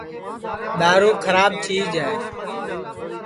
دؔارُو کھراب چِیج ہے